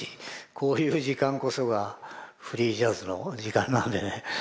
こういう時間こそがフリージャズの時間なんでね。